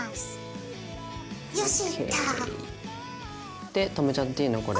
ＯＫ。で留めちゃっていいのこれ？